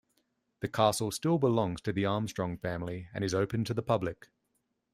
The castle still belongs to the Armstrong family, and is opened to the public.